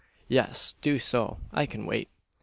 "Yes, do so. I can wait."